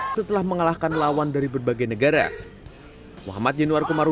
setelah mengalahkan lawan dari berbagai negara